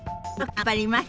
頑張ります。